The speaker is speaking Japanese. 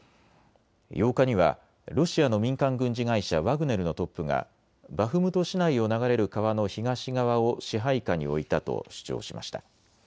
８日にはロシアの民間軍事会社、ワグネルのトップがバフムト市内を流れる川の東側を支配下に置いたと主張しました。